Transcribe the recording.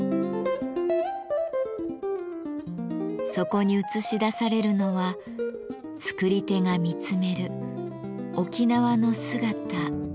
そこに映し出されるのは作り手が見つめる沖縄の姿そのものです。